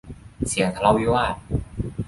เสียงทะเลาะวิวาท